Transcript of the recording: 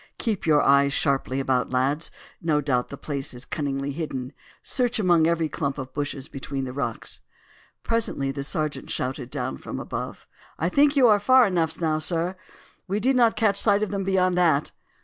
"Keep your eyes sharply about, lads. No doubt the place is cunningly hidden. Search among every clump of bushes between the rocks." Presently the sergeant shouted down again from above: "I think you are far enough now, sir! We did not catch sight of them beyond that!"